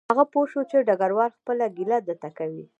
هغه پوه شو چې ډګروال خپله ګیله ده ته کوي